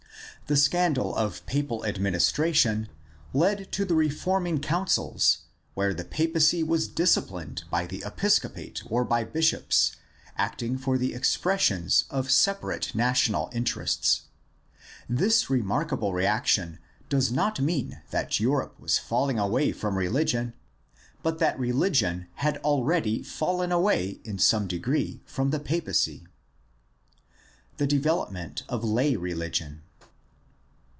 The scandal of papal administration led to the reforming councils where the papacy was disciplined by the episcopate or by bishops acting for the expressions of separate national inter ests. This remarkable reaction does not mean that Europe was falling away from religion but that religion had already fallen away in some degree from the papacy. The development of lay religion.